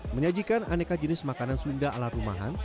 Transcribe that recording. menyajikan aneka jenis makanan sunda ala rumahan